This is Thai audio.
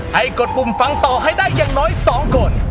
กดปุ่มฟังต่อให้ได้อย่างน้อย๒คน